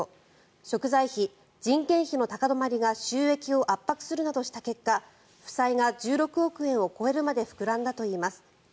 食材費、人件費の高止まりが収益を圧迫するなどした結果負債が１６億円を超えるまで膨らんだといいます。